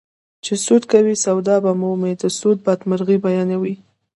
چې سود کوې سودا به مومې د سود بدمرغي بیانوي